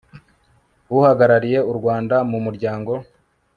uhagarariye u rwanda mu muryango